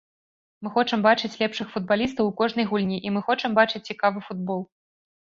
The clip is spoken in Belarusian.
Мы хочам бачыць лепшых футбалістаў у кожнай гульні і мы хочам бачыць цікавы футбол.